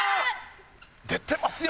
出てますよ！